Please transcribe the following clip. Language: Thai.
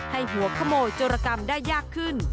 ให้หัวขโมยโจรกรรมได้ยากขึ้น